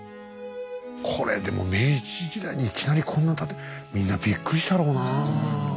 これでも明治時代にいきなりこんな建みんなびっくりしたろうなあ。